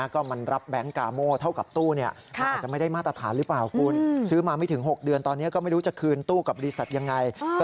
เขากลับมาเปลี่ยนตัวรับแบงก์เปลี่ยนกับยังไฮยุก